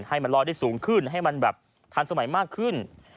ให้มันลอยได้สูงขึ้นให้มันแบบทันสมัยมากขึ้น